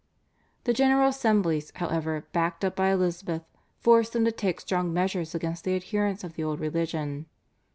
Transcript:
The General Assemblies, however, backed up by Elizabeth forced him to take strong measures against the adherents of the old religion.